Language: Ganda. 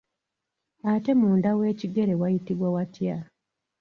Ate munda w'ekigere wayitibwa watya?